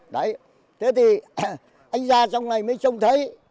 đấy thế thì anh ra trong này mới trông thấy